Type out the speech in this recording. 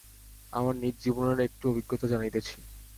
আমার নিজ জীবনের একটু অভিজ্ঞতা জানাইতেছি।